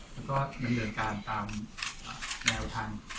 แนวได้ปฏิบัติให้เด็ดครับ